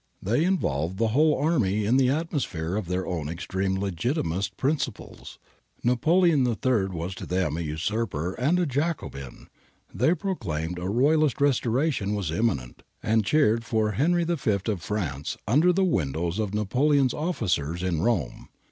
They involved the whole army in the atmosphere of their own extreme Legitimist principles. Napoleon III was to them a usurper and a Jacobin. They proclaimed a Royalist restoration as imminent, and cheered for ' Henry V ' of France under the windows of Napoleon's officers in Rome.